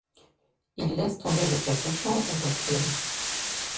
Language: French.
Il laisse tomber le capuchon et recule.